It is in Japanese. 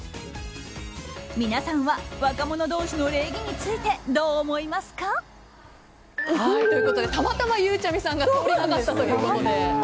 皆さんは若者同士の礼儀についてどう思いますか？ということでたまたま、ゆうちゃみさんが通りがかったということで。